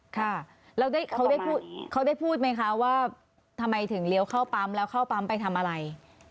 ค่ะแล้วเขาได้พูดไหมคะว่าทำไมถึงเลี้ยวเข้าปั๊มแล้วเข้าปั๊มไปทำอะไร